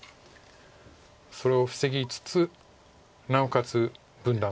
それを防ぎつつなおかつ分断する。